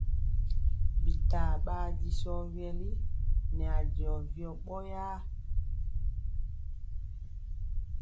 Bitaa ɓaa disɔ vyɛli nɛ ajɔ vyɔ ɓɔyaa.